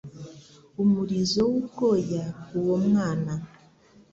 umurizo w'ubwoya uwo mwana